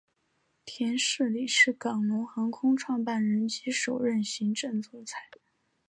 苗礼士是港龙航空创办人及首任行政总裁。